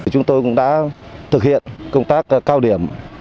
chúng tôi cũng đã thực hiện công tác cao điểm